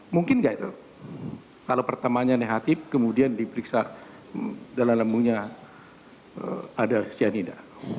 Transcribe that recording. mungkin nggak itu kalau pertamanya negatif kemudian diperiksa dalamnya ada cyanide